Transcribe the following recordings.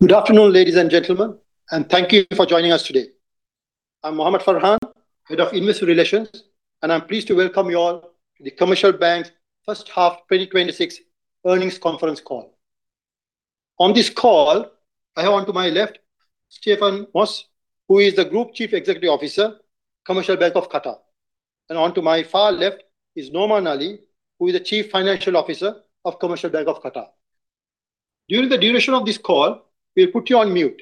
Good afternoon, ladies and gentlemen, thank you for joining us today. I'm Mohamed Farhan, Head of Investor Relations, and I'm pleased to welcome you all to The Commercial Bank's first half 2026 earnings conference call. On this call, I have onto my left, Stephen Moss, who is the Group Chief Executive Officer, Commercial Bank of Qatar. Onto my far left is Noman Ali, who is the Chief Financial Officer of Commercial Bank of Qatar. During the duration of this call, we'll put you on mute,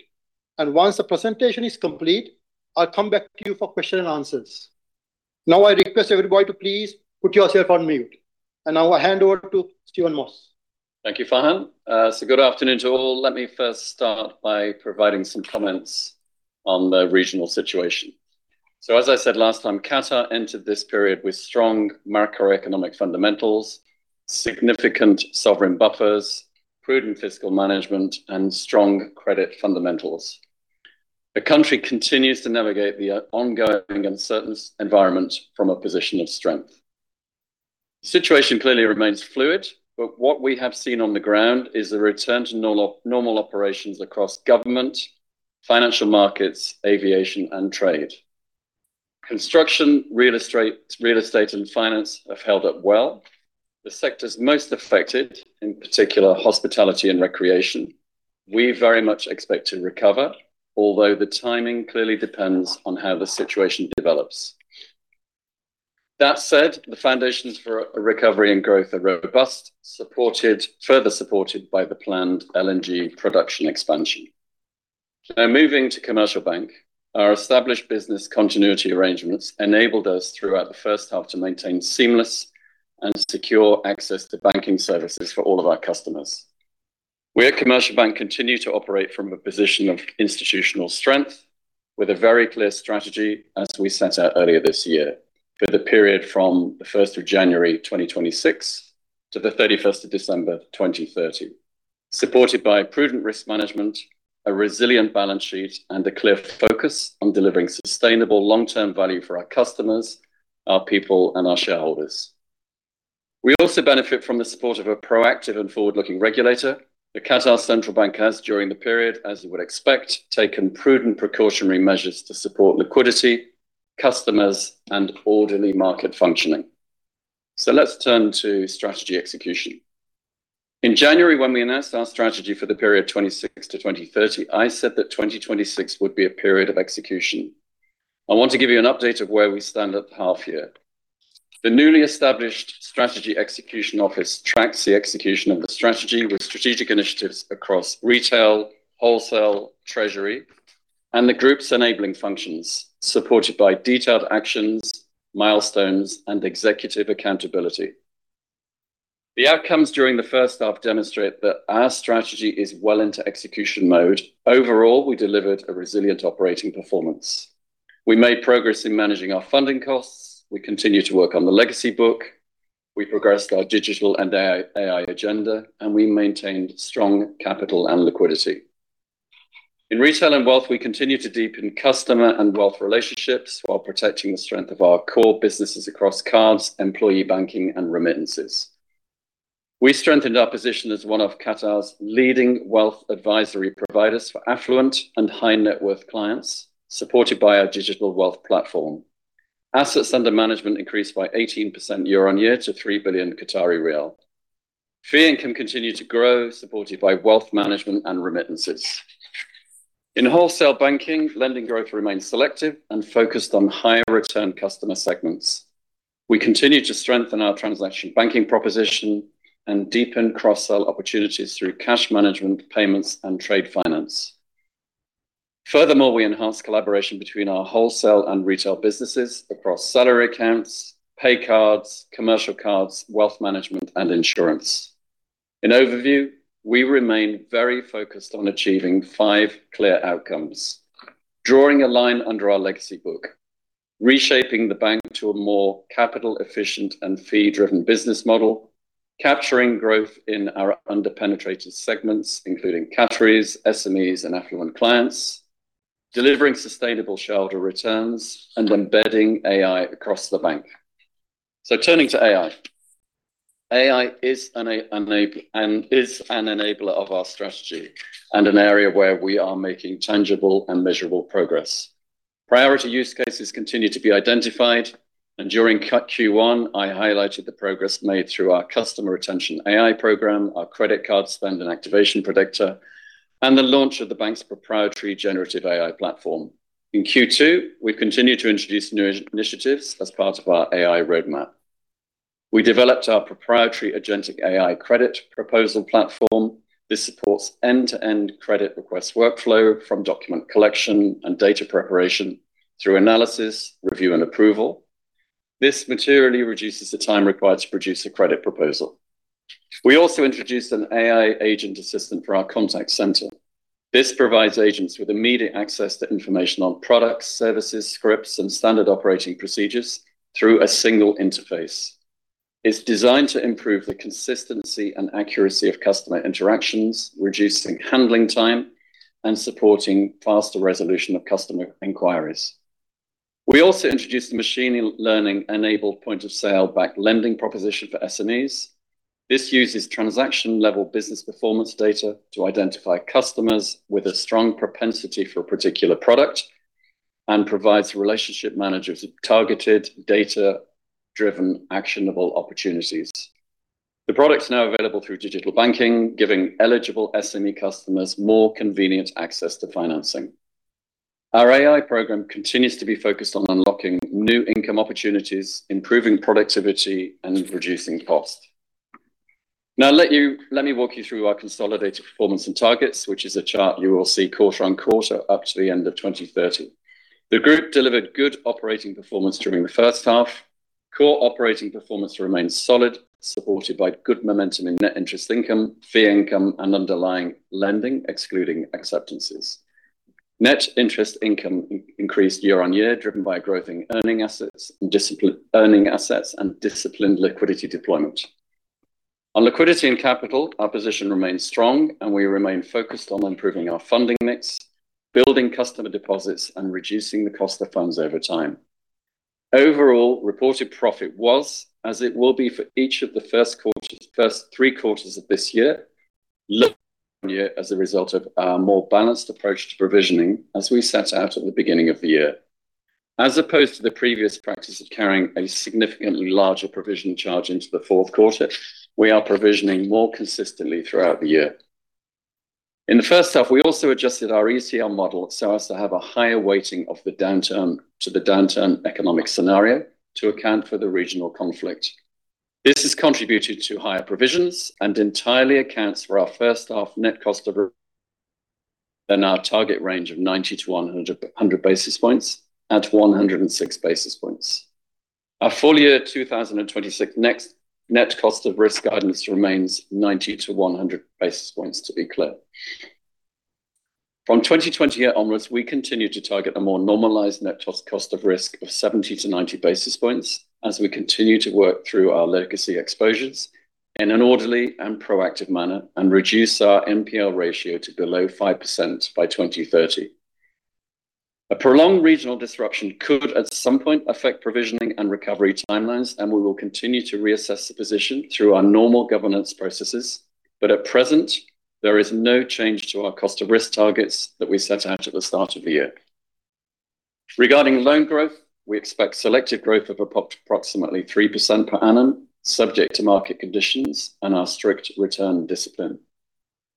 and once the presentation is complete, I'll come back to you for question-and-answers. Now, I request everybody to please put yourself on mute. Now I hand over to Stephen Moss. Thank you, Farhan. Good afternoon to all. Let me first start by providing some comments on the regional situation. As I said last time, Qatar entered this period with strong macroeconomic fundamentals, significant sovereign buffers, prudent fiscal management, and strong credit fundamentals. The country continues to navigate the ongoing uncertain environment from a position of strength. The situation clearly remains fluid, but what we have seen on the ground is a return to normal operations across government, financial markets, aviation, and trade. Construction, real estate, and finance have held up well. The sectors most affected, in particular, hospitality and recreation, we very much expect to recover, although the timing clearly depends on how the situation develops. That said, the foundations for a recovery and growth are robust, further supported by the planned LNG production expansion. Moving to Commercial Bank, our established business continuity arrangements enabled us throughout the first half to maintain seamless and secure access to banking services for all of our customers. We at Commercial Bank continue to operate from a position of institutional strength with a very clear strategy as we set out earlier this year, for the period from the 1st of January 2026 to the 31st of December 2030, supported by prudent risk management, a resilient balance sheet, and a clear focus on delivering sustainable long-term value for our customers, our people, and our shareholders. We also benefit from the support of a proactive and forward-looking regulator. The Qatar Central Bank has, during the period, as you would expect, taken prudent precautionary measures to support liquidity, customers, and orderly market functioning. Let's turn to strategy execution. In January, when we announced our strategy for the period 2026 to 2030, I said that 2026 would be a period of execution. I want to give you an update of where we stand at the half year. The newly established strategy execution office tracks the execution of the strategy with strategic initiatives across retail, wholesale, treasury, and the group's enabling functions, supported by detailed actions, milestones, and executive accountability. The outcomes during the first half demonstrate that our strategy is well into execution mode. Overall, we delivered a resilient operating performance. We made progress in managing our funding costs. We continue to work on the legacy book. We progressed our digital and AI agenda, we maintained strong capital and liquidity. In retail and wealth, we continue to deepen customer and wealth relationships while protecting the strength of our core businesses across cards, employee banking, and remittances. We strengthened our position as one of Qatar's leading wealth advisory providers for affluent and high-net-worth clients, supported by our digital wealth platform. Assets under management increased by 18% year-on-year to 3 billion. Fee income continued to grow, supported by wealth management and remittances. In wholesale banking, lending growth remains selective and focused on higher return customer segments. We continue to strengthen our transaction banking proposition and deepen cross-sell opportunities through cash management payments and trade finance. Furthermore, we enhance collaboration between our wholesale and retail businesses across salary accounts, pay cards, commercial cards, wealth management, and insurance. In overview, we remain very focused on achieving five clear outcomes. Drawing a line under our legacy book, reshaping the bank to a more capital efficient and fee-driven business model, capturing growth in our under-penetrated segments, including Qataris, SMEs, and affluent clients, delivering sustainable shareholder returns, and embedding AI across the bank. Turning to AI. AI is an enabler of our strategy and an area where we are making tangible and measurable progress. Priority use cases continue to be identified, and during Q1, I highlighted the progress made through our customer retention AI program, our credit card spend and activation predictor, and the launch of the bank's proprietary generative AI platform. In Q2, we continued to introduce new initiatives as part of our AI roadmap. We developed our proprietary agentic AI credit proposal platform. This supports end-to-end credit request workflow from document collection and data preparation through analysis, review, and approval. This materially reduces the time required to produce a credit proposal. We also introduced an AI agent assistant for our contact center. This provides agents with immediate access to information on products, services, scripts, and standard operating procedures through a single interface. It's designed to improve the consistency and accuracy of customer interactions, reducing handling time, and supporting faster resolution of customer inquiries. We also introduced a machine learning-enabled point-of-sale backed lending proposition for SMEs. This uses transaction-level business performance data to identify customers with a strong propensity for a particular product and provides relationship managers with targeted data-driven actionable opportunities. The product's now available through digital banking, giving eligible SME customers more convenient access to financing. Our AI program continues to be focused on unlocking new income opportunities, improving productivity, and reducing cost. Let me walk you through our consolidated performance and targets, which is a chart you will see quarter-on-quarter up to the end of 2030. The group delivered good operating performance during the first half. Core operating performance remains solid, supported by good momentum in net interest income, fee income, and underlying lending, excluding acceptances. Net interest income increased year-on-year, driven by growth in earning assets and disciplined liquidity deployment. On liquidity and capital, our position remains strong, and we remain focused on improving our funding mix, building customer deposits, and reducing the cost of funds over time. Overall, reported profit was, as it will be for each of the first three quarters of this year, lower than last year as a result of our more balanced approach to provisioning as we set out at the beginning of the year. As opposed to the previous practice of carrying a significantly larger provision charge into the fourth quarter, we are provisioning more consistently throughout the year. In the first half, we also adjusted our ECL model so as to have a higher weighting to the downturn economic scenario to account for the regional conflict. This has contributed to higher provisions and entirely accounts for our first half net cost of risk being within our target range of 90 basis points to 100 basis points at 106 basis points. Our full-year 2026 net cost of risk guidance remains 90 basis points to 100 basis points to be clear. From 2020 onwards, we continue to target a more normalized net cost of risk of 70 basis points to 90 basis points as we continue to work through our legacy exposures in an orderly and proactive manner and reduce our NPL ratio to below 5% by 2030. A prolonged regional disruption could, at some point, affect provisioning and recovery timelines, and we will continue to reassess the position through our normal governance processes. At present, there is no change to our cost of risk targets that we set out at the start of the year. Regarding loan growth, we expect selective growth of approximately 3% per annum, subject to market conditions and our strict return discipline.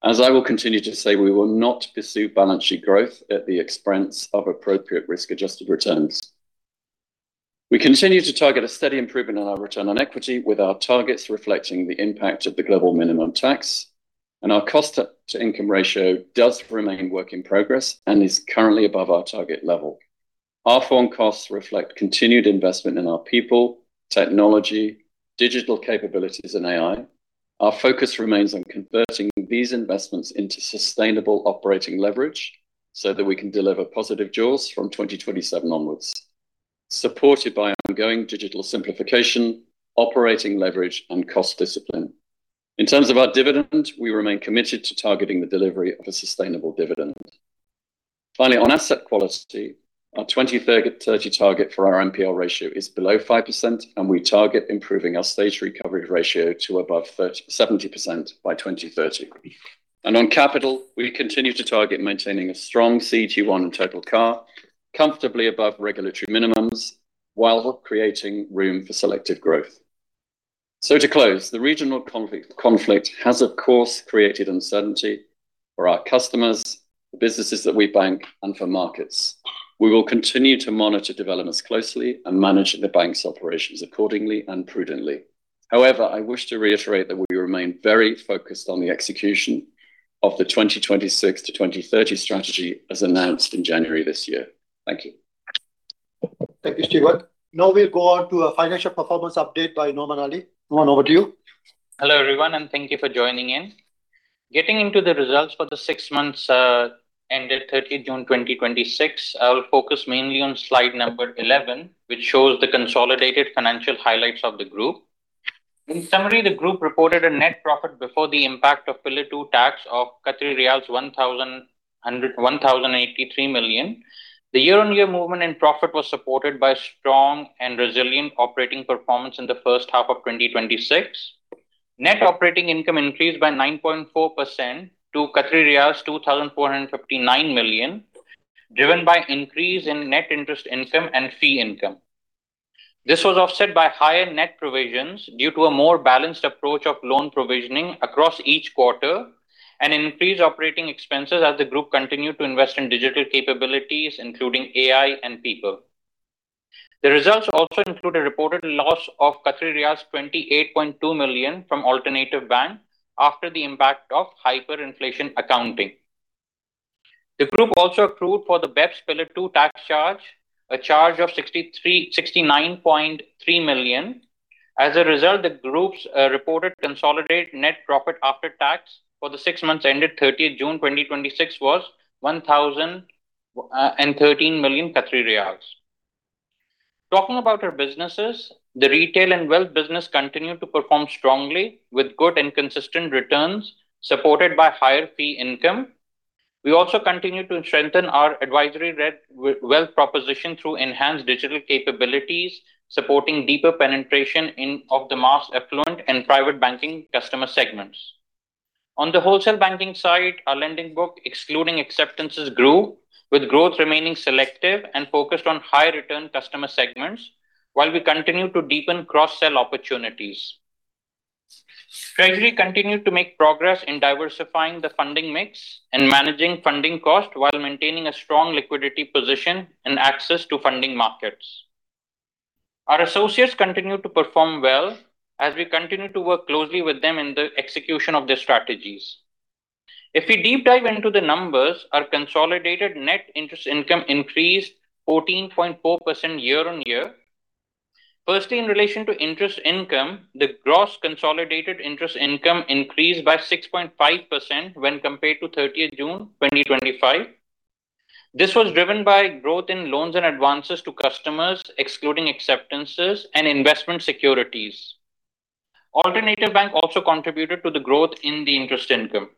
As I will continue to say, we will not pursue balance sheet growth at the expense of appropriate risk-adjusted returns. We continue to target a steady improvement in our return on equity, with our targets reflecting the impact of the global minimum tax, and our cost to income ratio does remain work in progress and is currently above our target level. Our foreign costs reflect continued investment in our people, technology, digital capabilities, and AI. Our focus remains on converting these investments into sustainable operating leverage so that we can deliver positive jaws from 2027 onwards, supported by ongoing digital simplification, operating leverage, and cost discipline. In terms of our dividend, we remain committed to targeting the delivery of a sustainable dividend. Finally, on asset quality, our 2030 target for our NPL ratio is below 5%, and we target improving our stage recovery ratio to above 70% by 2030. On capital, we continue to target maintaining a strong CET1 and total CAR comfortably above regulatory minimums while creating room for selective growth. To close, the regional conflict has, of course, created uncertainty for our customers, the businesses that we bank, and for markets. We will continue to monitor developments closely and manage the bank's operations accordingly and prudently. However, I wish to reiterate that we remain very focused on the execution of the 2026 to 2030 strategy as announced in January this year. Thank you. Thank you, Stephen. We will go on to a financial performance update by Noman Ali. Noman, over to you. Hello, everyone, and thank you for joining in. Getting into the results for the six months 30th June, 2026, I will focus mainly on slide number 11, which shows the consolidated financial highlights of the group. In summary, the group reported a net profit before the impact of Pillar 2 tax of 1,083 million. The year-on-year movement in profit was supported by strong and resilient operating performance in the first half of 2026. Net operating income increased by 9.4% to 2,459 million, driven by increase in net interest income and fee income. This was offset by higher net provisions due to a more balanced approach of loan provisioning across each quarter and increased operating expenses as the group continued to invest in digital capabilities, including AI and people. The results also include a reported loss of 28.2 million from Alternatif Bank after the impact of hyperinflation accounting. The group also accrued for the BEPS Pillar 2 tax charge, a charge of 69.3 million. As a result, the group's reported consolidated net profit after tax for the six months 30th June, 2026 was 1,013 million Qatari riyals. Talking about our businesses, the retail and wealth business continued to perform strongly with good and consistent returns, supported by higher fee income. We also continue to strengthen our advisory wealth proposition through enhanced digital capabilities, supporting deeper penetration of the mass affluent and private banking customer segments. On the wholesale banking side, our lending book, excluding acceptances, grew, with growth remaining selective and focused on high-return customer segments, while we continue to deepen cross-sell opportunities. Treasury continued to make progress in diversifying the funding mix and managing funding cost, while maintaining a strong liquidity position and access to funding markets. Our associates continue to perform well as we continue to work closely with them in the execution of their strategies. If we deep dive into the numbers, our consolidated net interest income increased 14.4% year-on-year. Firstly, in relation to interest income, the gross consolidated interest income increased by 6.5% when compared to 30th June 2025. This was driven by growth in loans and advances to customers, excluding acceptances and investment securities. Alternatif Bank also contributed to the growth in the interest income.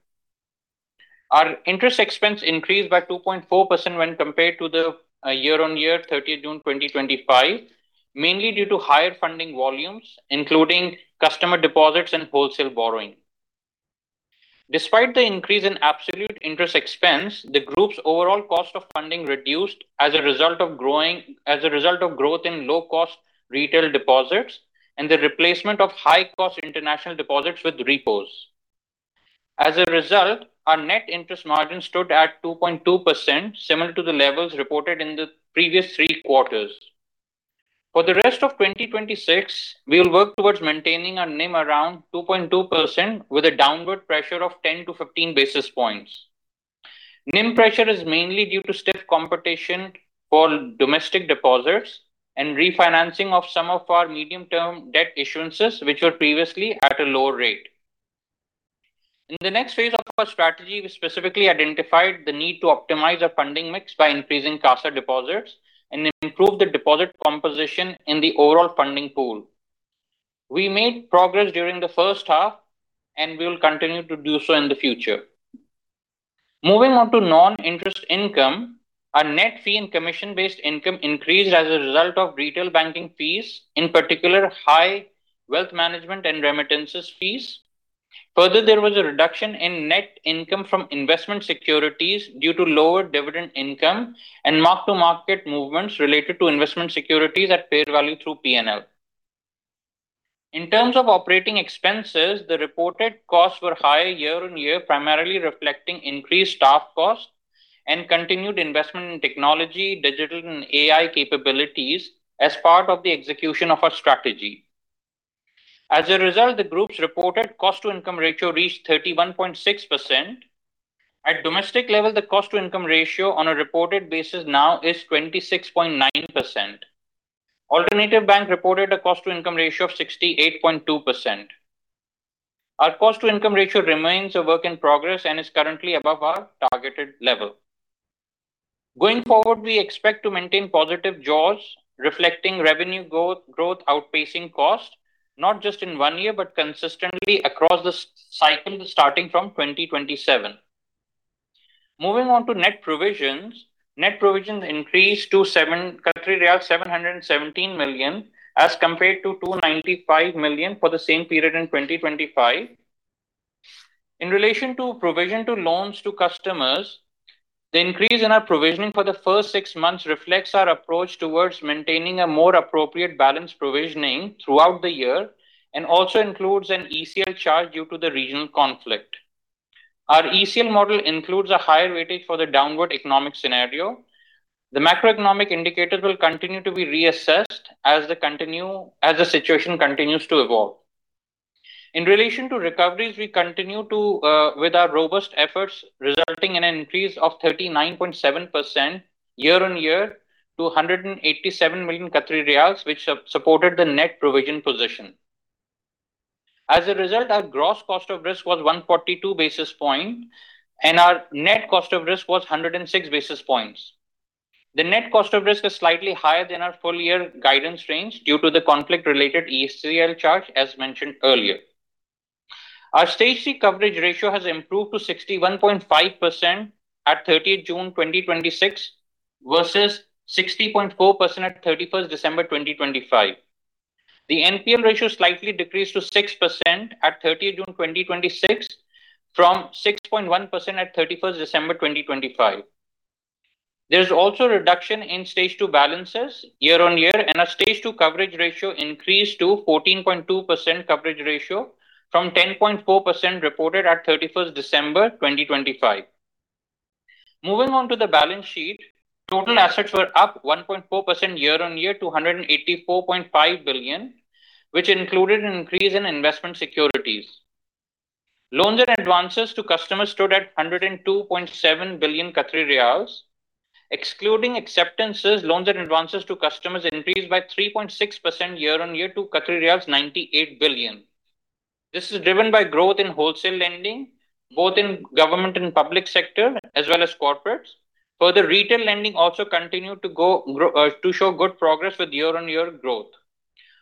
Our interest expense increased by 2.4% when compared to the year-on-year 30th June 2025, mainly due to higher funding volumes, including customer deposits and wholesale borrowing. Despite the increase in absolute interest expense, the group's overall cost of funding reduced as a result of growth in low-cost retail deposits and the replacement of high-cost international deposits with repos. As a result, our net interest margin stood at 2.2%, similar to the levels reported in the previous three quarters. For the rest of 2026, we will work towards maintaining our NIM around 2.2% with a downward pressure of 10 basis points to 15 basis points. NIM pressure is mainly due to stiff competition for domestic deposits and refinancing of some of our medium-term debt issuances, which were previously at a lower rate. In the next phase of our strategy, we specifically identified the need to optimize our funding mix by increasing CASA deposits and improve the deposit composition in the overall funding pool. We made progress during the first half, and we will continue to do so in the future. Moving on to non-interest income, our net fee and commission-based income increased as a result of retail banking fees, in particular high wealth management and remittances fees. Further, there was a reduction in net income from investment securities due to lower dividend income and mark-to-market movements related to investment securities at fair value through P&L. In terms of operating expenses, the reported costs were higher year-on-year, primarily reflecting increased staff costs and continued investment in technology, digital, and AI capabilities as part of the execution of our strategy. As a result, the group's reported cost-to-income ratio reached 31.6%. At domestic level, the cost-to-income ratio on a reported basis now is 26.9%. Alternatif Bank reported a cost-to-income ratio of 68.2%. Our cost-to-income ratio remains a work in progress and is currently above our targeted level. Going forward, we expect to maintain positive jaws reflecting revenue growth outpacing cost, not just in one year but consistently across the cycle starting from 2027. Moving on to net provisions. Net provisions increased to 717 million, as compared to 295 million for the same period in 2025. In relation to provision to loans to customers, the increase in our provisioning for the first six months reflects our approach towards maintaining a more appropriate balance provisioning throughout the year and also includes an ECL charge due to the regional conflict. Our ECL model includes a higher weightage for the downward economic scenario. The macroeconomic indicators will continue to be reassessed as the situation continues to evolve. In relation to recoveries, we continue with our robust efforts resulting in an increase of 39.7% year-on-year to 187 million Qatari riyals, which supported the net provision position. As a result, our gross cost of risk was 142 basis points, and our net cost of risk was 106 basis points. The net cost of risk is slightly higher than our full-year guidance range due to the conflict-related ECL charge, as mentioned earlier. Our Stage 2 coverage ratio has improved to 61.5% 30th June, 2026 versus 60.4% at 31st December 2025. The NPL ratio slightly decreased to 6% 30th June, 2026 from 6.1% at 31st December 2025. There's also a reduction in Stage 2 balances year-on-year, and our Stage 2 coverage ratio increased to 14.2% coverage ratio from 10.4% reported at 31st December 2025. Moving on to the balance sheet, total assets were up 1.4% year-on-year to 284.5 billion, which included an increase in investment securities. Loans and advances to customers stood at 102.7 billion Qatari riyals. Excluding acceptances, loans, and advances to customers increased by 3.6% year-on-year to 98 billion. This is driven by growth in wholesale lending, both in government and public sector, as well as corporates. Retail lending also continued to show good progress with year-on-year growth.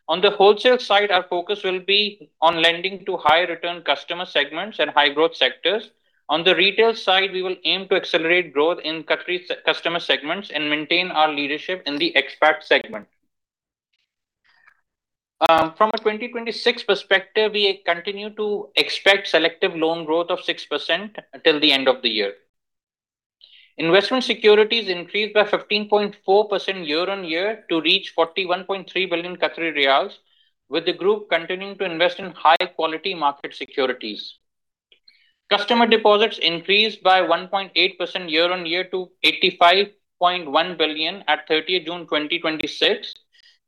On the wholesale side, our focus will be on lending to high-return customer segments and high-growth sectors. On the retail side, we will aim to accelerate growth in Qatari customer segments and maintain our leadership in the expat segment. From a 2026 perspective, we continue to expect selective loan growth of 6% until the end of the year. Investment securities increased by 15.4% year-on-year to reach 41.3 billion Qatari riyals, with the group continuing to invest in high-quality market securities. Customer deposits increased by 1.8% year-on-year to 85.1 billion 30th June, 2026.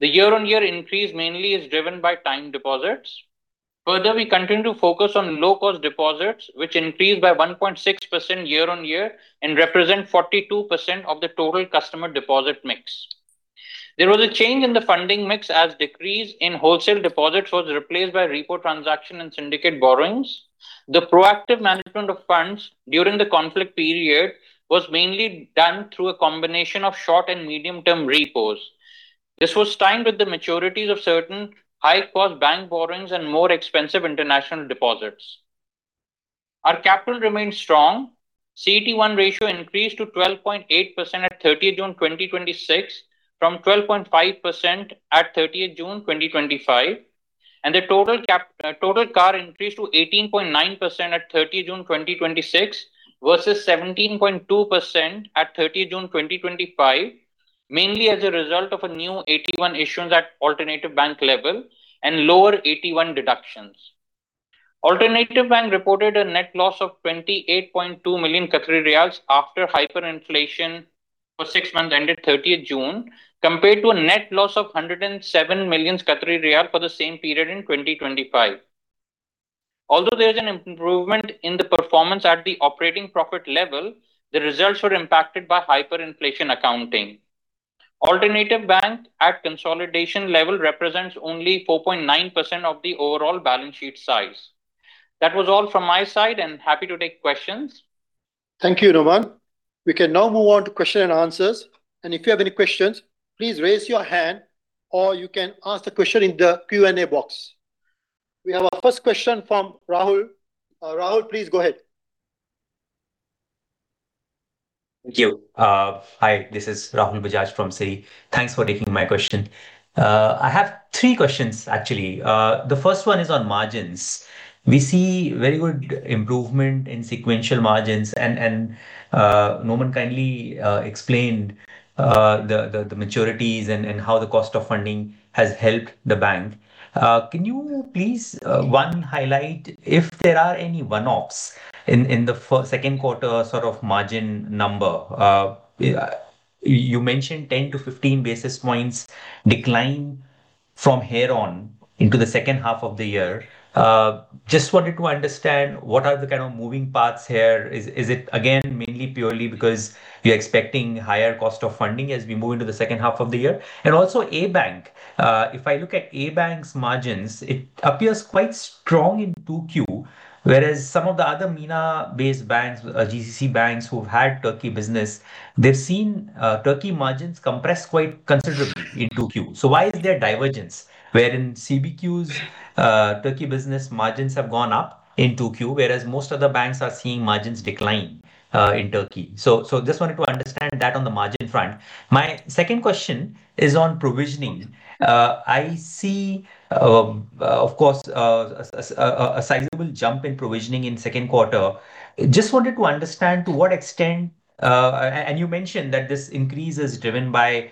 The year-on-year increase mainly is driven by time deposits. We continue to focus on low-cost deposits, which increased by 1.6% year-on-year and represent 42% of the total customer deposit mix. There was a change in the funding mix as decrease in wholesale deposits was replaced by repo transaction and syndicate borrowings. The proactive management of funds during the conflict period was mainly done through a combination of short- and medium-term repos. This was timed with the maturities of certain high-cost bank borrowings and more expensive international deposits. Our capital remains strong. CET1 ratio increased to 12.8% 30th June, 2026 from 12.5% at 30th June 2025, and the total CAR increased to 18.9% 30th June, 2026 versus 17.2% at 30th June, 2025, mainly as a result of a new AT1 issuance at Alternatif Bank level and lower AT1 deductions. Alternatif Bank reported a net loss of 28.2 million Qatari riyals after hyperinflation for six months ended 30th June, compared to a net loss of 107 million Qatari riyal for the same period in 2025. Although there is an improvement in the performance at the operating profit level, the results were impacted by hyperinflation accounting. Alternatif Bank at consolidation level represents only 4.9% of the overall balance sheet size. That was all from my side. Happy to take questions. Thank you, Noman. We can now move on to question-and-answers. If you have any questions, please raise your hand, or you can ask the question in the Q&A box. We have our first question from Rahul. Rahul, please go ahead. Thank you. Hi, this is Rahul Bajaj from Citi. Thanks for taking my question. I have three questions, actually. The first one is on margins. We see very good improvement in sequential margins and Noman kindly explained the maturities and how the cost of funding has helped the bank. Can you please, one, highlight if there are any one-offs in the second quarter margin number? You mentioned 10 basis points-15 basis points decline from here on into the second half of the year. Just wanted to understand what are the kind of moving parts here. Is it again, mainly purely because you're expecting higher cost of funding as we move into the second half of the year? And also A Bank. If I look at A Bank's margins, it appears quite strong in 2Q, whereas some of the other MENA-based banks, GCC banks who've had Turkey business, they've seen Turkey margins compress quite considerably in 2Q. Why is there divergence where in CBQ's Turkey business margins have gone up in 2Q, whereas most other banks are seeing margins decline in Turkey? Just wanted to understand that on the margin front. My second question is on provisioning. I see, of course, a sizable jump in provisioning in 2Q. Just wanted to understand to what extent and you mentioned that this increase is driven by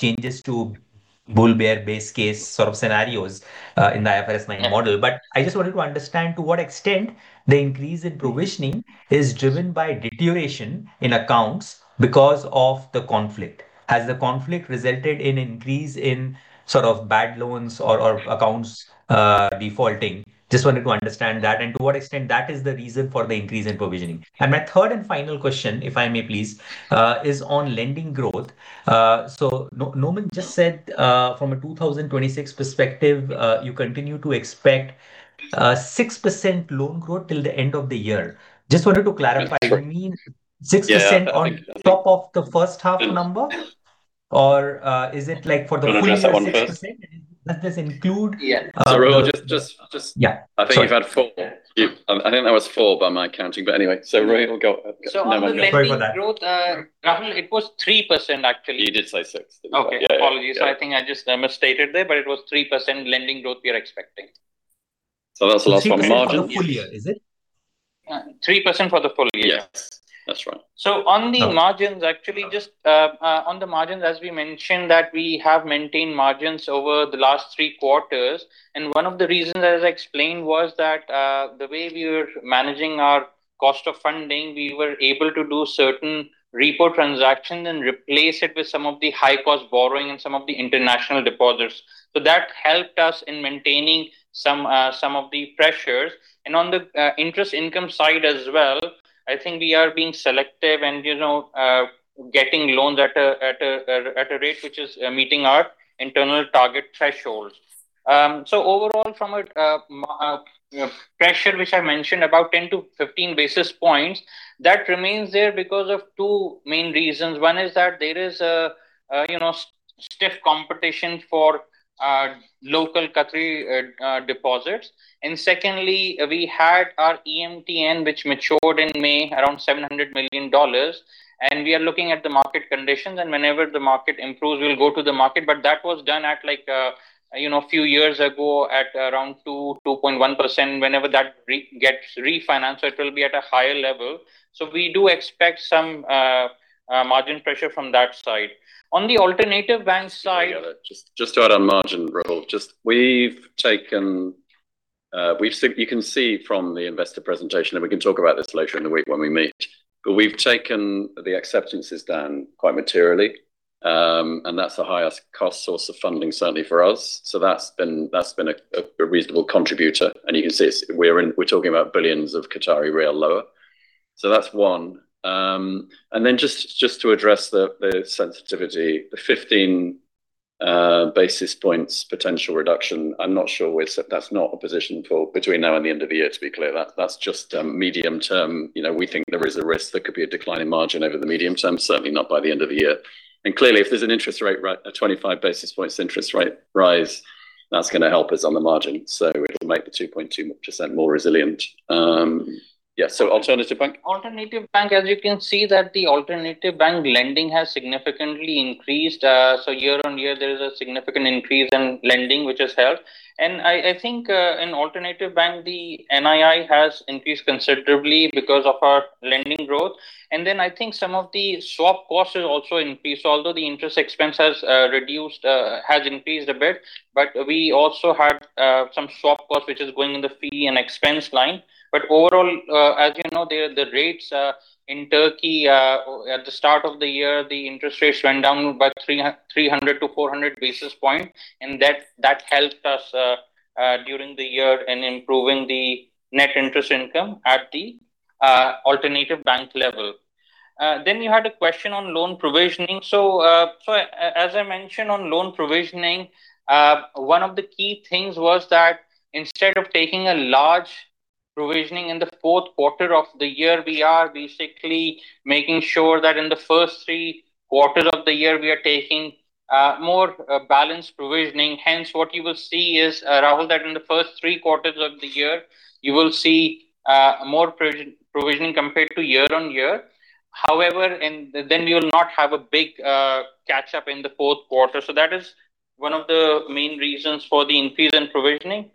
changes to bull-bear base case scenarios in the IFRS 9 model. I just wanted to understand to what extent the increase in provisioning is driven by deterioration in accounts because of the conflict. Has the conflict resulted in increase in bad loans or accounts defaulting? Just wanted to understand that and to what extent that is the reason for the increase in provisioning. My third and final question, if I may please, is on lending growth. Noman just said, from a 2026 perspective, you continue to expect 6% loan growth till the end of the year. Just wanted to clarify, you mean 6% on top of the first half number, or is it like for the full-year 6%? Do you want to address that one first? Does this include- Yeah. Rahul, just- Yeah. Sorry. I think we've had four. I think that was four by my counting. Anyway, Rahul, go. On the lending growth, Rahul, it was 3%, actually. He did say 6%, didn't he? Okay. Apologies. I think I just misstated there, but it was 3% lending growth we are expecting. That's a lot for margin. 3% for the full-year, is it? 3% for the full-year. Yes. That's right. On the margins, actually, just on the margins, as we mentioned that we have maintained margins over the last three quarters, and one of the reasons, as I explained, was that the way we were managing our cost of funding, we were able to do certain repo transactions and replace it with some of the high-cost borrowing and some of the international deposits. That helped us in maintaining some of the pressures. On the interest income side as well, I think we are being selective and getting loans at a rate which is meeting our internal target thresholds. Overall from a pressure which I mentioned about 10 basis points-15 basis points, that remains there because of two main reasons. One is that there is stiff competition for local Qatari deposits. Secondly, we had our EMTN which matured in May, around $700 million. We are looking at the market conditions, and whenever the market improves, we'll go to the market, but that was done at like a few years ago at around 2%-2.1%. Whenever that gets refinanced, it will be at a higher level. We do expect some margin pressure from that side. On the Alternatif Bank side- Just to add on margin, Rahul, you can see from the Investor presentation, and we can talk about this later in the week when we meet, but we've taken the acceptances down quite materially. That's the highest cost source of funding certainly for us. That's been a reasonable contributor. You can see we're talking about billions of Qatari riyal lower. That's one. Just to address the sensitivity, the 15 basis points potential reduction, I'm not sure we've said that's not a position for between now and the end of the year, to be clear. That's just medium-term. We think there is a risk there could be a decline in margin over the medium-term, certainly not by the end of the year. Clearly, if there's an interest rate, a 25 basis points interest rate rise, that's going to help us on the margin. It'll make the 2.2% more resilient. Alternatif Bank. Alternatif Bank, as you can see that the Alternatif Bank lending has significantly increased. Year-on-year, there is a significant increase in lending which has helped. I think in Alternatif Bank, the NII has increased considerably because of our lending growth. I think some of the swap costs has also increased. Although the interest expense has increased a bit, but we also had some swap costs which is going in the fee and expense line. Overall, as you know, the rates in Turkey at the start of the year, the interest rates went down by 300 basis points to 400 basis points, and that helped us during the year in improving the net interest income at the Alternatif Bank level. You had a question on loan provisioning. As I mentioned on loan provisioning, one of the key things was that instead of taking a large provisioning in the fourth quarter of the year, we are basically making sure that in the first three quarters of the year, we are taking more balanced provisioning. Hence, what you will see is, Rahul, that in the first three quarters of the year, you will see more provisioning compared to year-on-year. We will not have a big catch-up in the fourth quarter. That is one of the main reasons for the increase in provisioning.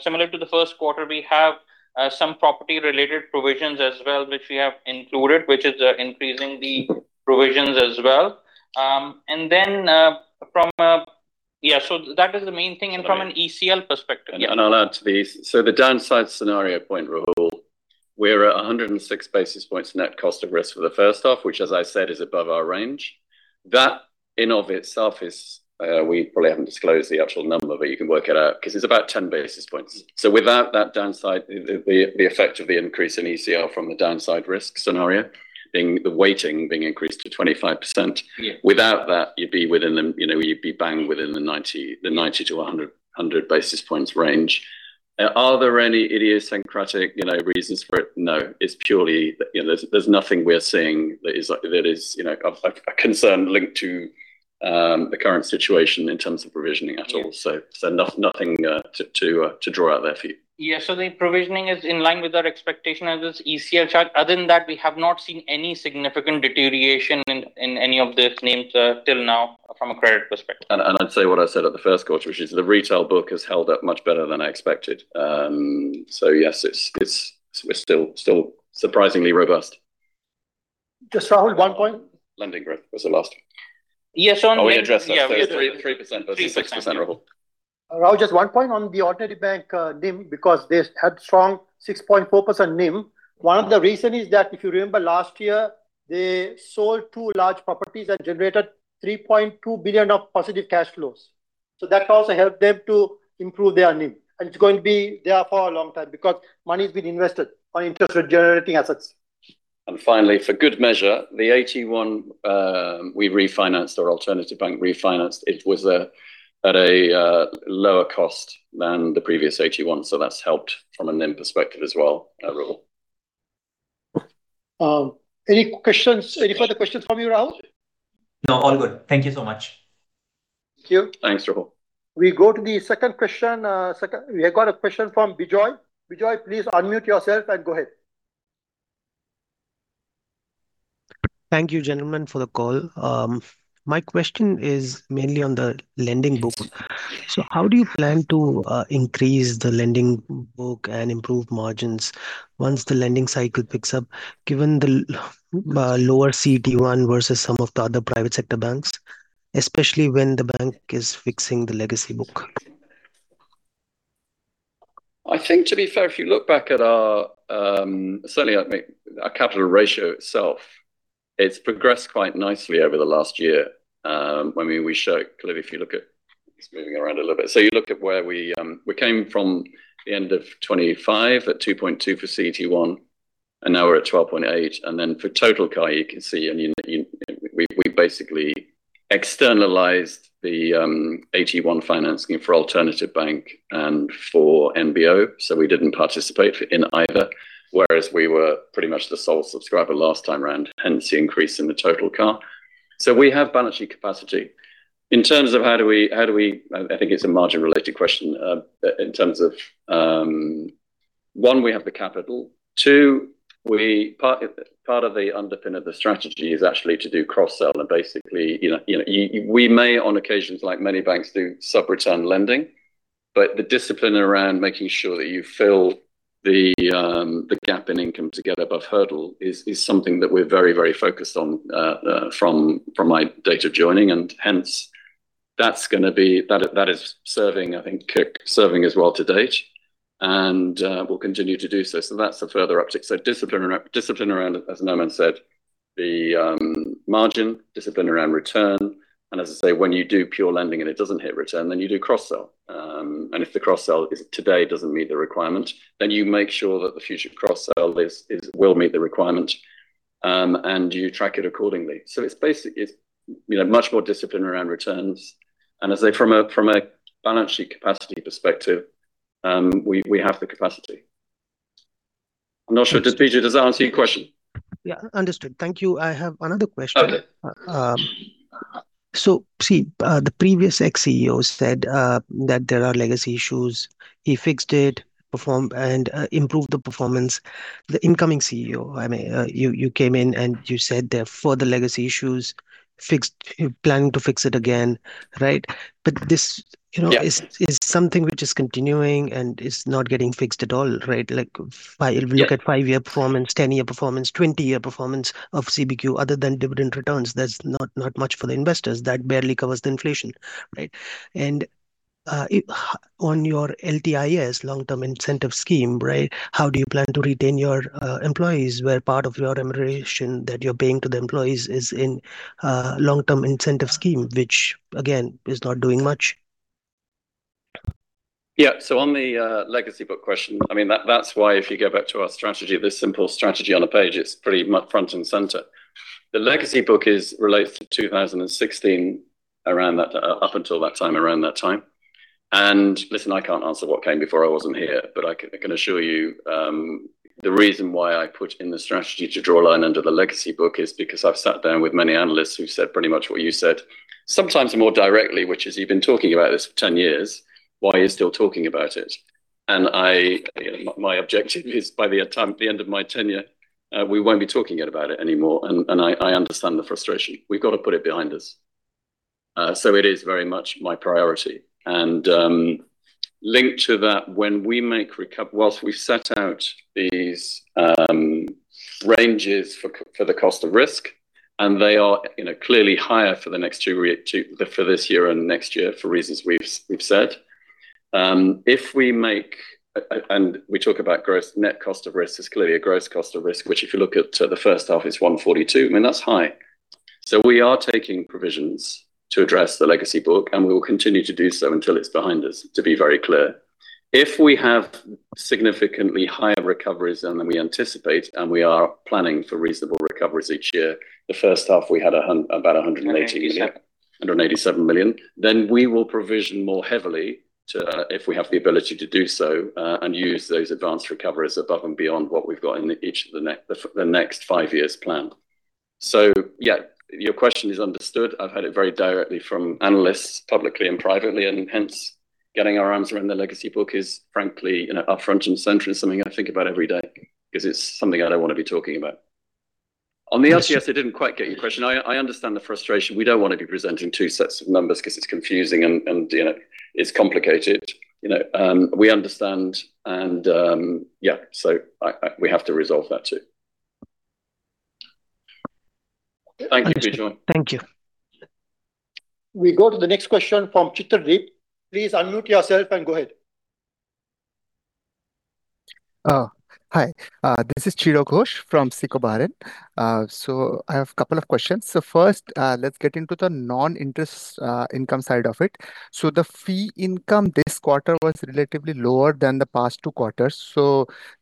Similar to the first quarter, we have some property-related provisions as well, which we have included, which is increasing the provisions as well. That is the main thing and from an ECL perspective. I'll add to the downside scenario point, Rahul, we're at 106 basis points net cost of risk for the first half, which as I said, is above our range. That in of itself is, we probably haven't disclosed the actual number, but you can work it out because it's about 10 basis points. Without that downside, the effect of the increase in ECL from the downside risk scenario, the weighting being increased to 25%. Yeah. Without that, you'd be bang within the 90 basis points to 100 basis points range. Are there any idiosyncratic reasons for it? No. There's nothing we're seeing that is of a concern linked to the current situation in terms of provisioning at all. Yeah. Nothing to draw out there for you. Yeah. The provisioning is in line with our expectation as this ECL charge. Other than that, we have not seen any significant deterioration in any of these names till now from a credit perspective. I'd say what I said at the first quarter, which is the retail book has held up much better than I expected. Yes, we're still surprisingly robust. Just Rahul, one point. Lending growth was the last one. Yeah. Oh, we addressed that. Yeah. 3% versus 6%, Rahul. Rahul, just one point on the Alternatif Bank NIM, because they had strong 6.4% NIM. One of the reason is that if you remember last year, they sold two large properties that generated 3.2 billion of positive cash flows. That also helped them to improve their NIM, and it's going to be there for a long time because money's been invested on interest-generating assets. Finally, for good measure, the AT1 we refinanced or Alternatif Bank refinanced, it was at a lower cost than the previous AT1, that's helped from a NIM perspective as well, Rahul. Any further questions from you, Rahul? No, all good. Thank you so much. Thank you. Thanks, Rahul. We go to the second question. We have got a question from [Bijoy]. [Bijoy], please unmute yourself and go ahead. Thank you, gentlemen, for the call. My question is mainly on the lending book. How do you plan to increase the lending book and improve margins once the lending cycle picks up, given the lower CET1 versus some of the other private sector banks, especially when the bank is fixing the legacy book? I think to be fair, if you look back at our, certainly, our capital ratio itself, it's progressed quite nicely over the last year. When we show, clearly, it's moving around a little bit. You look at where we came from the end of 2025 at 2.2% for CET1. Now we're at 12.8%. Then for total CAR, you can see, we basically externalized the AT1 financing for Alternatif Bank and for NBO. We didn't participate in either, whereas we were pretty much the sole subscriber last time around, hence the increase in the total CAR. We have balance sheet capacity. In terms of how do we, I think it's a margin-related question. In terms of, one, we have the capital. Two, part of the underpin of the strategy is actually to do cross-sell and basically, we may, on occasions, like many banks, do sub-return lending. The discipline around making sure that you fill the gap in income to get above hurdle is something that we're very, very focused on from my date of joining. Hence, that is serving, I think, serving us well to date and will continue to do so. That's the further uptick. Discipline around, as Noman said, the margin, discipline around return, and as I say, when you do pure lending and it doesn't hit return, then you do cross-sell. If the cross-sell today doesn't meet the requirement, then you make sure that the future cross-sell will meet the requirement, and you track it accordingly. It's much more discipline around returns. As I say, from a balance sheet capacity perspective, we have the capacity. I'm not sure, [Bijoy], does that answer your question? Yeah, understood. Thank you. I have another question. Okay. See, the previous ex-CEO said that there are legacy issues. He fixed it, performed and improved the performance. The incoming CEO, you came in and you said there are further legacy issues, planning to fix it again, right? This- Yeah is something which is continuing and is not getting fixed at all, right? Like if you look at five-year performance, 10-year performance, 20-year performance of CBQ, other than dividend returns, there's not much for the investors. That barely covers the inflation, right? On your LTIS, long-term incentive scheme, right, how do you plan to retain your employees, where part of your remuneration that you're paying to the employees is in long-term incentive scheme, which again, is not doing much? On the legacy book question, that's why if you go back to our strategy, this simple strategy on a page, it's pretty much front and center. The legacy book relates to 2016, up until that time, around that time. Listen, I can't answer what came before. I wasn't here. I can assure you, the reason why I put in the strategy to draw a line under the legacy book is because I've sat down with many analysts who've said pretty much what you said, sometimes more directly, which is, you've been talking about this for 10 years. Why are you still talking about it? My objective is by the end of my tenure, we won't be talking about it anymore. I understand the frustration. We've got to put it behind us. It is very much my priority. Linked to that, whilst we've set out these ranges for the cost of risk, they are clearly higher for this year and next year, for reasons we've said. If we talk about gross net cost of risk. There's clearly a gross cost of risk, which if you look at the first half is 142 basis points. That's high. We are taking provisions to address the legacy book, we will continue to do so until it's behind us, to be very clear. If we have significantly higher recoveries than we anticipate, and we are planning for reasonable recoveries each year. The first half, we had about 180 million- 187 million QAR 187 million. We will provision more heavily, if we have the ability to do so, and use those advanced recoveries above and beyond what we've got in the next five-years plan. Yeah, your question is understood. I've heard it very directly from analysts, publicly and privately, hence getting our arms around the legacy book is frankly, up front and center. It's something I think about every day because it's something I don't want to be talking about. On the LTIS, I didn't quite get your question. I understand the frustration. We don't want to be presenting two sets of numbers because it's confusing, it's complicated. We understand, yeah, we have to resolve that, too. Thank you, [Bijoy]. Thank you. We go to the next question from Chiradeep. Please unmute yourself and go ahead. Hi. This is Chiro Ghosh from SICO Bahrain. I have a couple of questions. First, let's get into the non-interest income side of it. The fee income this quarter was relatively lower than the past two quarters.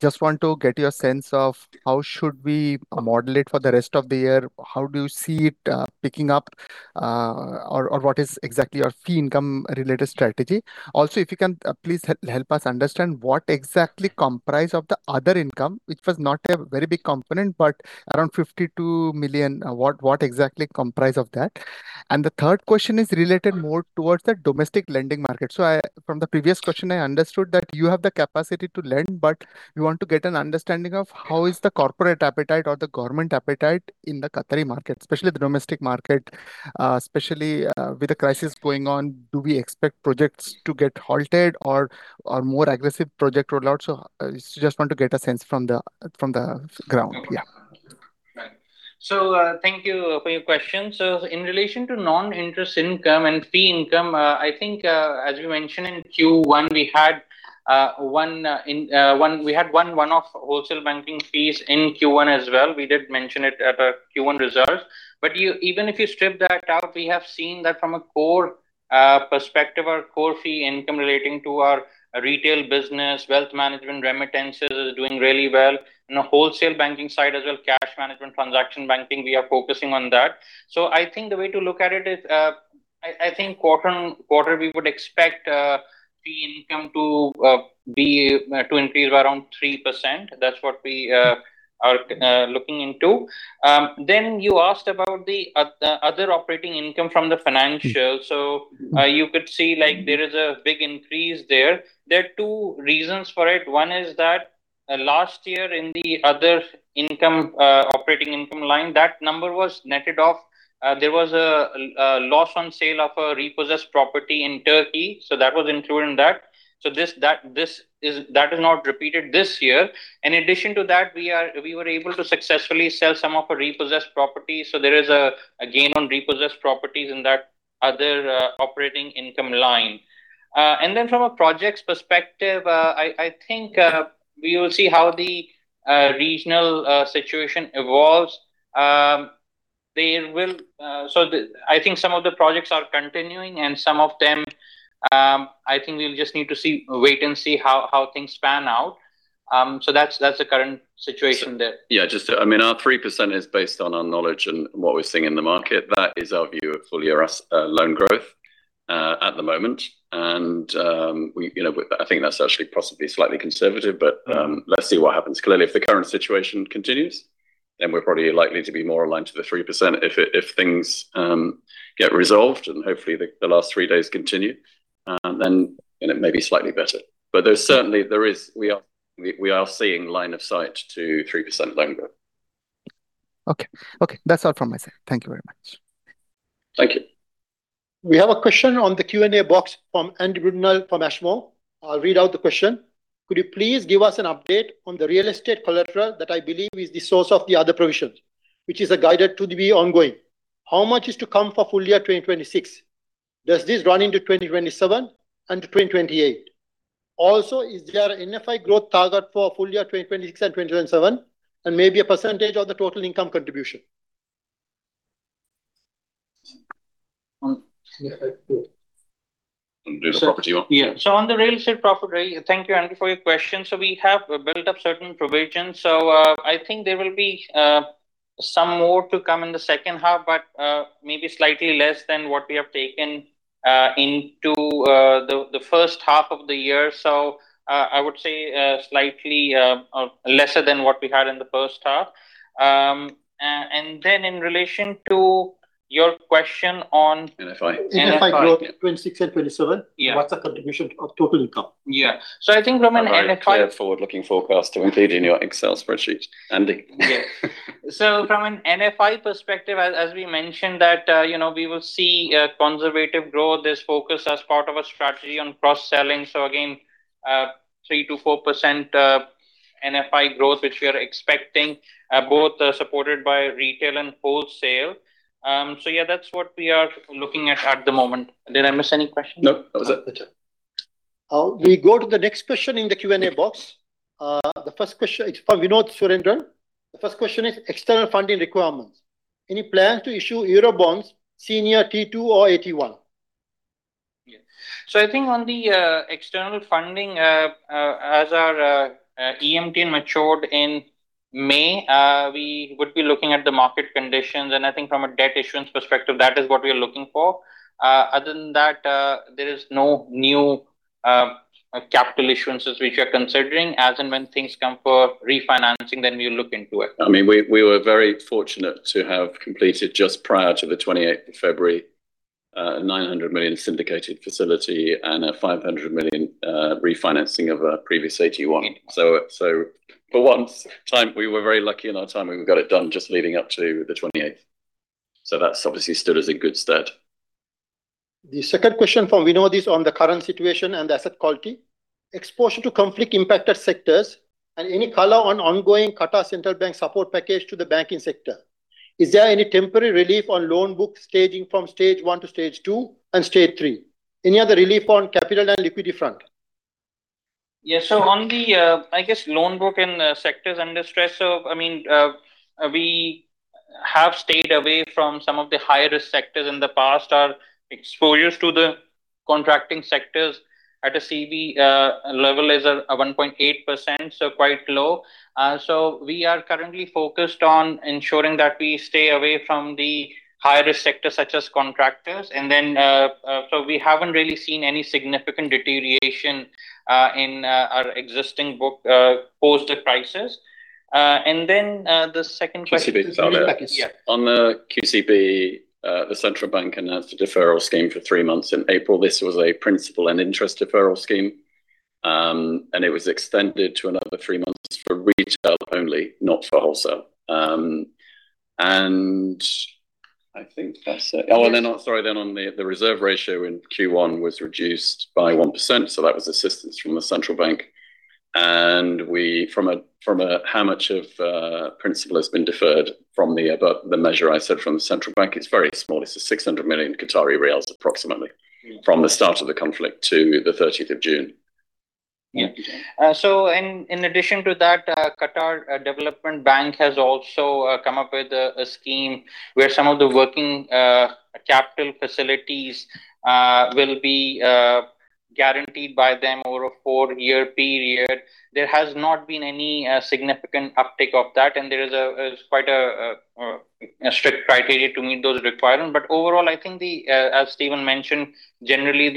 Just want to get your sense of how should we model it for the rest of the year. How do you see it picking up? Or what is exactly your fee income related strategy? Also, if you can please help us understand what exactly comprise of the other income, which was not a very big component, but around 52 million. What exactly comprise of that? The third question is related more towards the domestic lending market. From the previous question, I understood that you have the capacity to lend, but we want to get an understanding of how is the corporate appetite or the government appetite in the Qatari market, especially the domestic market, especially with the crisis going on. Do we expect projects to get halted or more aggressive project rollout? Just want to get a sense from the ground. Okay. Right. Thank you for your question. In relation to non-interest income and fee income, I think, as we mentioned in Q1, we had one one-off wholesale banking fees in Q1 as well. We did mention it at the Q1 results. Even if you strip that out, we have seen that from a core perspective, our core fee income relating to our retail business, wealth management, remittances is doing really well. In the wholesale banking side as well, cash management, transaction banking, we are focusing on that. I think the way to look at it is, I think quarter we would expect fee income to increase by around 3%. That's what we are looking into. You asked about the other operating income from the financial. You could see there is a big increase there. There are two reasons for it. One is that last year in the other operating income line, that number was netted off. There was a loss on sale of a repossessed property in Turkey, that was included in that. That is not repeated this year. In addition to that, we were able to successfully sell some of our repossessed properties. There is a gain on repossessed properties in that other operating income line. From a projects perspective, I think we will see how the regional situation evolves. I think some of the projects are continuing, and some of them, I think we'll just need to wait and see how things pan out. That's the current situation there. Yeah. Our 3% is based on our knowledge and what we're seeing in the market. That is our view of full-year loan growth at the moment. I think that's actually possibly slightly conservative, but let's see what happens. Clearly, if the current situation continues, then we're probably likely to be more aligned to the 3%. If things get resolved and hopefully the last three days continue, then it may be slightly better. Certainly, we are seeing line of sight to 3% loan growth. Okay. That's all from my side. Thank you very much. Thank you. We have a question on the Q&A box from Andrew Brudenell from Ashmore. I will read out the question. Could you please give us an update on the real estate collateral, that I believe is the source of the other provisions, which is guided to be ongoing. How much is to come for full-year 2026? Does this run into 2027 and 2028? Also, is there NFI growth target for full-year 2026 and 2027, and maybe a % of the total income contribution? Yeah. You want to do the property one? Yeah. On the real estate property, thank you, Andrew, for your question. We have built up certain provisions. I think there will be some more to come in the second half, but maybe slightly less than what we have taken into the first half of the year. I would say slightly lesser than what we had in the first half. In relation to your question on- NFI NFI. NFI growth 2026 and 2027. Yeah. What's the contribution of total income? Yeah. I think from an NFI. A very clear forward-looking forecast to include in your Excel spreadsheet, Andy. Yeah. From an NFI perspective, as we mentioned that we will see conservative growth. There's focus as part of our strategy on cross-selling. Again, 3%-4% NFI growth, which we are expecting, both supported by retail and wholesale. Yeah, that's what we are looking at the moment. Did I miss any questions? No. That was it. We go to the next question in the Q&A box. The first question is from Vinod Surendran. The first question is external funding requirements. Any plans to issue eurobonds senior T2 or AT1? I think on the external funding, as our EMTN matured in May, we would be looking at the market conditions. I think from a debt issuance perspective, that is what we are looking for. Other than that, there is no new capital issuances which we are considering. As and when things come for refinancing, we'll look into it. We were very fortunate to have completed, just prior to the 28th of February, a 900 million syndicated facility and a 500 million refinancing of a previous AT1. For once, we were very lucky in our timing. We got it done just leading up to the 28th of February. That's obviously stood as a good start. The second question from Vinod is on the current situation and the asset quality. Exposure to conflict impacted sectors and any color on ongoing Qatar Central Bank support package to the banking sector. Is there any temporary relief on loan book staging from Stage 1 to Stage 2 and Stage 3? Any other relief on capital and liquidity front? On the, I guess, loan book and sectors under stress. We have stayed away from some of the higher risk sectors in the past. Our exposures to the contracting sectors at a CB level is 1.8%, quite low. We are currently focused on ensuring that we stay away from the higher risk sectors such as contractors. We haven't really seen any significant deterioration in our existing book post the crisis. The second question- QCB. Yeah. On the QCB, the Central Bank announced a deferral scheme for three months in April. This was a principal and interest deferral scheme. It was extended to another three months for retail only, not for wholesale. I think that's it. On the reserve ratio in Q1 was reduced by 1%, so that was assistance from the Central Bank. From how much of principal has been deferred from the measure I said from the Central Bank, it's very small. It's 600 million approximately from the start of the conflict to the 30th of June. In addition to that, Qatar Development Bank has also come up with a scheme where some of the working capital facilities will be guaranteed by them over a four-year period. There has not been any significant uptake of that, and there is quite a strict criteria to meet those requirements. Overall, I think, as Stephen mentioned, generally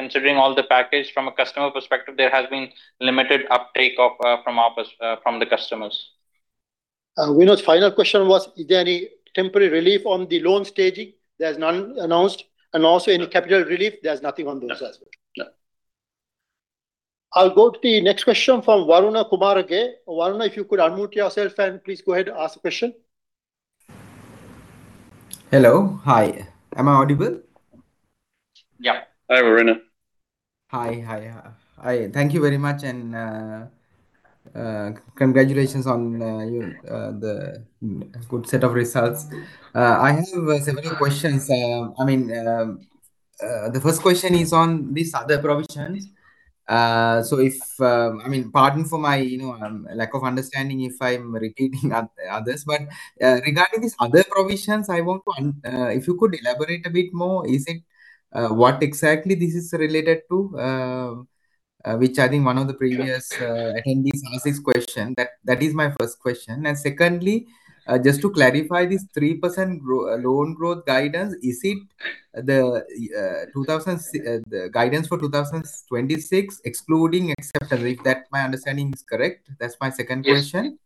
considering all the package from a customer perspective, there has been limited uptake from the customers. Vinod's final question was, is there any temporary relief on the loan staging? There's none announced. Also any capital relief? There's nothing on those as well. No. I'll go to the next question from Waruna Kumarage. Waruna, if you could unmute yourself, and please go ahead, ask the question. Hello. Hi. Am I audible? Yeah. Hi, Waruna. Hi. Thank you very much. Congratulations on the good set of results. I have several questions. The first question is on these other provisions. Pardon for my lack of understanding if I'm repeating others, regarding these other provisions, if you could elaborate a bit more, what exactly this is related to, which I think one of the previous attendees asked this question. That is my first question. Secondly, just to clarify, this 3% loan growth guidance, is it the guidance for 2026 excluding, except if my understanding is correct? That's my second question.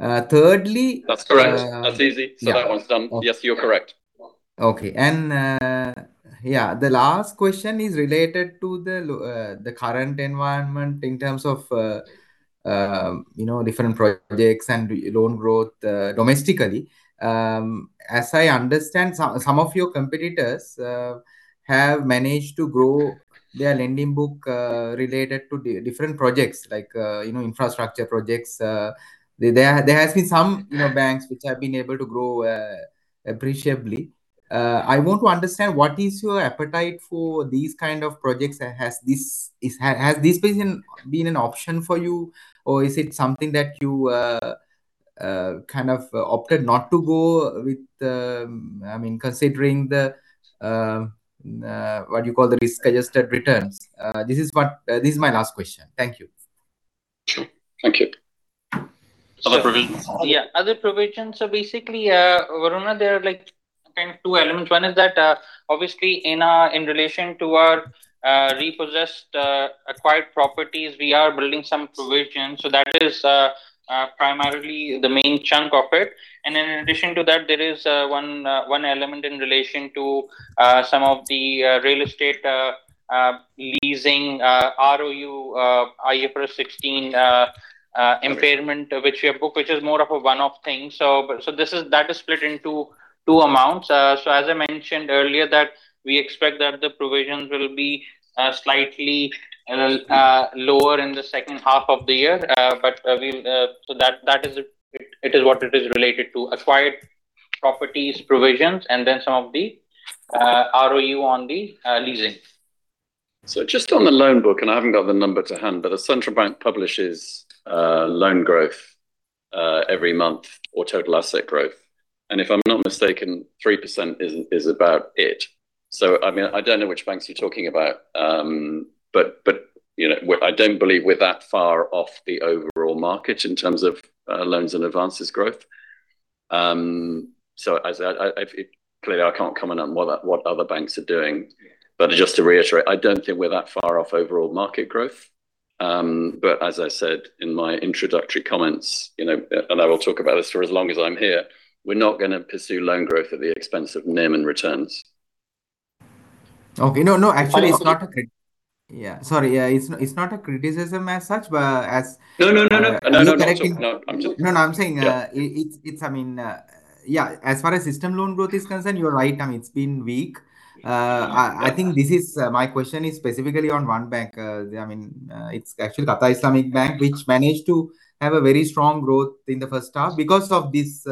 Yes. Thirdly- That's correct. That's easy. That one's done. Yes, you're correct. Okay. The last question is related to the current environment in terms of different projects and loan growth domestically. As I understand, some of your competitors have managed to grow their lending book related to different projects like infrastructure projects. There has been some banks which have been able to grow appreciably. I want to understand what is your appetite for these kind of projects. Has this been an option for you or is it something that you kind of opted not to go with, considering what you call the risk-adjusted returns? This is my last question. Thank you. Sure. Thank you. Other provisions. Other provisions. Basically, Waruna, there are two elements. One is that obviously in relation to our repossessed acquired properties, we are building some provisions. That is primarily the main chunk of it. In addition to that, there is one element in relation to some of the real estate leasing, ROU, IFRS 16 impairment which we have booked, which is more of a one-off thing. That is split into two amounts. As I mentioned earlier that we expect that the provisions will be slightly lower in the second half of the year. That is what it is related to. Acquired properties, provisions, and then some of the ROU on the leasing. Just on the loan book, I haven't got the number to hand, but the Central Bank publishes loan growth every month or total asset growth. If I'm not mistaken, 3% is about it. I don't know which banks you're talking about, but I don't believe we're that far off the overall market in terms of loans and advances growth. But just to reiterate, I don't think we're that far off overall market growth. But as I said in my introductory comments, I will talk about this for as long as I'm here, we're not going to pursue loan growth at the expense of NIM and returns. Okay. No, actually it's not a, sorry, it's not a criticism as such, but as- No, I'm sure No, I'm saying, as far as system loan growth is concerned, you're right. It's been weak. My question is specifically on one bank. It's actually Qatar Islamic Bank, which managed to have a very strong growth in the first half because of this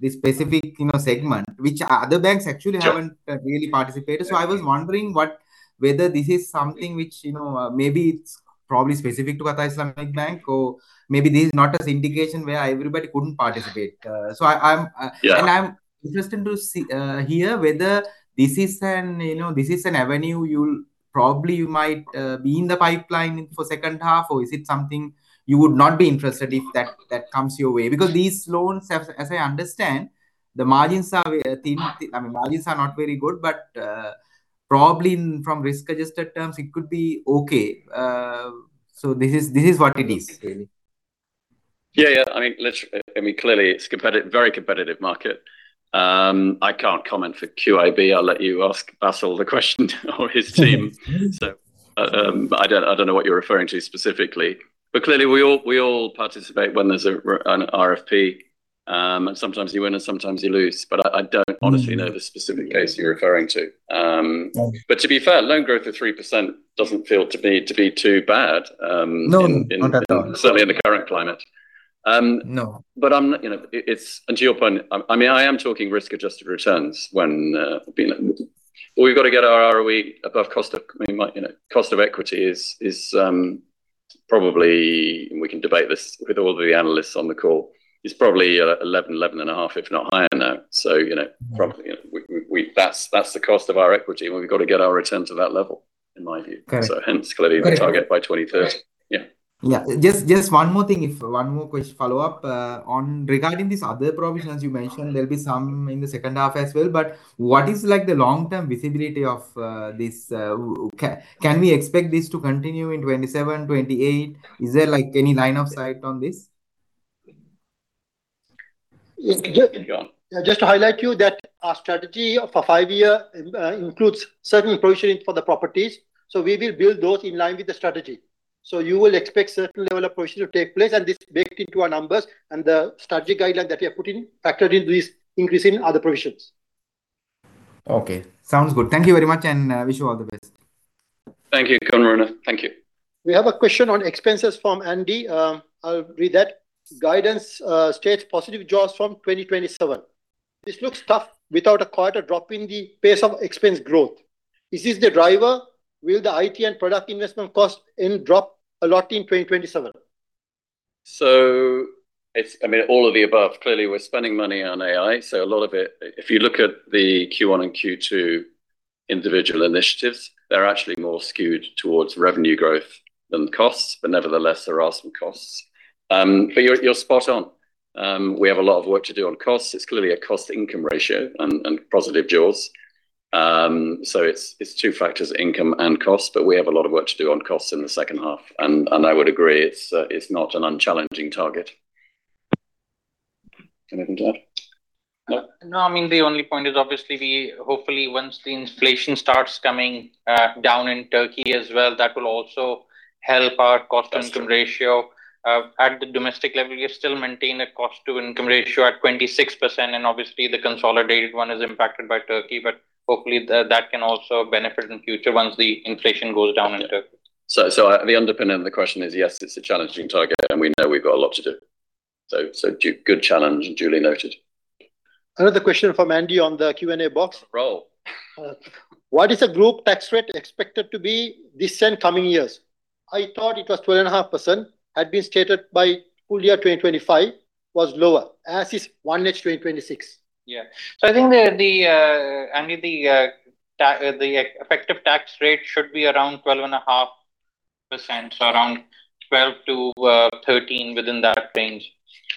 specific segment, which other banks actually haven't really participated. I was wondering whether this is something which maybe it's probably specific to Qatar Islamic Bank, or maybe this is not an indication where everybody couldn't participate. Yeah. I'm interested to hear whether this is an avenue you probably might be in the pipeline for second half, or is it something you would not be interested if that comes your way? These loans, as I understand, the margins are not very good, but probably from risk-adjusted terms, it could be okay. This is what it is really. Yeah. Clearly it's a very competitive market. I can't comment for QIB. I'll let you ask Bassel the question or his team. I don't know what you're referring to specifically. Clearly we all participate when there's an RFP, and sometimes you win and sometimes you lose. I don't honestly know the specific case you're referring to. Okay. To be fair, loan growth of 3% doesn't feel to me to be too bad. No, not at all. certainly in the current climate. No To your point, I am talking risk-adjusted returns. We've got to get our ROE above cost of equity is probably, we can debate this with all the analysts on the call, is probably 11%-11.5%, if not higher now. Probably, that's the cost of our equity, and we've got to get our return to that level, in my view. Okay. Hence, clearly the target by 2030. Right. Yeah. Yeah. Just one more thing, one more follow-up regarding these other provisions you mentioned, there'll be some in the second half as well. What is the long-term visibility of this? Can we expect this to continue in 2027-2028? Is there any line of sight on this? Yeah. Just to highlight you that our strategy for five year includes certain provisioning for the properties. We will build those in line with the strategy. You will expect certain level of provision to take place, and this is baked into our numbers and the strategy guideline that we have put in factored into this increase in other provisions. Okay, sounds good. Thank you very much, and wish you all the best. Thank you. Go on, Waruna. Thank you. We have a question on expenses from Andy. I'll read that. Guidance states positive jaws from 2027. This looks tough without a quarter drop in the pace of expense growth. Is this the driver? Will the IT and product investment cost drop a lot in 2027? All of the above. Clearly, we're spending money on AI, so a lot of it. If you look at the Q1 and Q2 individual initiatives, they're actually more skewed towards revenue growth than costs. Nevertheless, there are some costs. You're spot on. We have a lot of work to do on costs. It's clearly a cost income ratio and positive jaws. It's two factors, income and cost, but we have a lot of work to do on costs in the second half. I would agree, it's not an unchallenging target. Anything to add? No. No. The only point is obviously, hopefully, once the inflation starts coming down in Turkey as well, that will also help our cost income ratio. That's true. At the domestic level, we still maintain a cost to income ratio at 26%, and obviously, the consolidated one is impacted by Turkey, but hopefully that can also benefit in future once the inflation goes down in Turkey. The underpinning of the question is, yes, it's a challenging target, and we know we've got a lot to do. Good challenge duly noted. Another question from Andy on the Q&A box. Roll. What is the group tax rate expected to be this and coming years? I thought it was 12.5% had been stated by full-year 2025 was lower as is 1H 2026. Yeah. I think, Andy, the effective tax rate should be around 12.5%, so around 12% to 13%, within that range.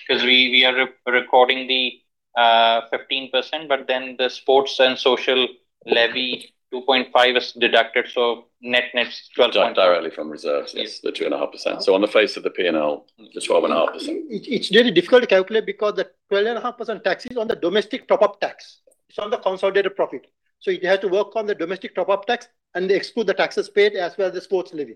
We are recording the 15%, but then the sports and social levy, 2.5% is deducted, so net-net is 12.5%. Deduct directly from reserves. Yes. The 2.5%. On the face of the P&L, the 12.5%. It's really difficult to calculate because the 12.5% tax is on the domestic top-up tax. It's on the consolidated profit. It has to work on the domestic top-up tax and exclude the taxes paid as well, the sports levy.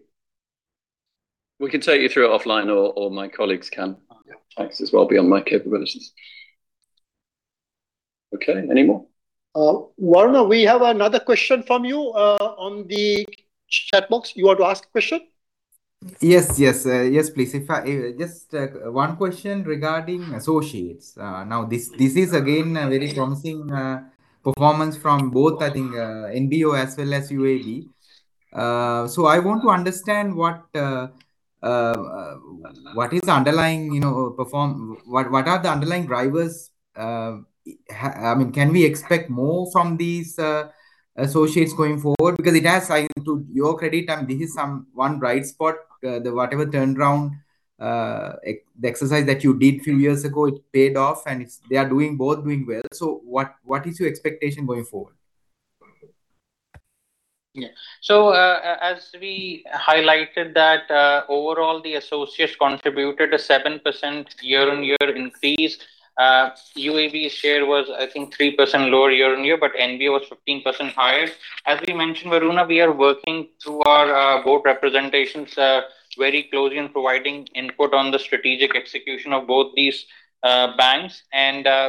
We can take you through it offline or my colleagues can. Yeah. Tax as well beyond my capabilities. Okay, any more? Waruna, we have another question from you on the chat box. You want to ask a question? Yes. Yes, please. Just one question regarding associates. This is again a very promising performance from both, I think, NBO as well as UAB. I want to understand what are the underlying drivers. Can we expect more from these associates going forward? It has, to your credit, and this is one bright spot, whatever turnaround, the exercise that you did few years ago, it paid off and they are both doing well. What is your expectation going forward? Yeah. As we highlighted that overall the associates contributed a 7% year-on-year increase. UAB share was, I think, 3% lower year-on-year, NBO was 15% higher. As we mentioned, Waruna, we are working through our Board representations very closely and providing input on the strategic execution of both these banks.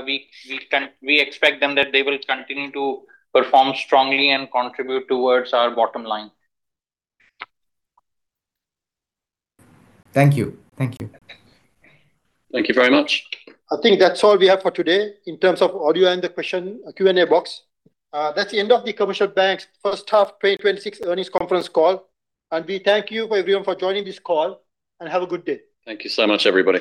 We expect them that they will continue to perform strongly and contribute towards our bottom line. Thank you. Thank you Thank you very much. I think that's all we have for today in terms of audio and the Q&A box. That's the end of The Commercial Bank's first half 2026 earnings conference call. We thank you everyone for joining this call and have a good day. Thank you so much, everybody.